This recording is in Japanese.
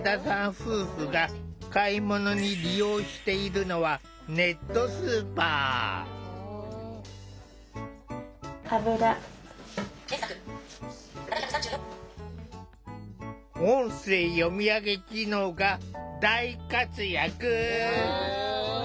夫婦が買い物に利用しているのは音声読み上げ機能が大活躍！